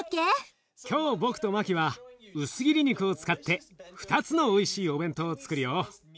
今日僕とマキは薄切り肉を使って２つのおいしいお弁当をつくるよ。